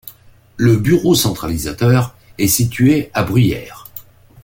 Le bureau centralisateur est situé à Bruyères.